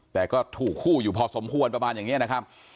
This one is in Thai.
แต่ก็ถูกคู่อยู่พอสมควรประมาณอย่างนี้นะครับ